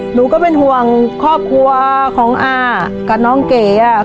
หนูก็เป็นห่วงครอบครัวของอากับน้องเก๋อ่ะ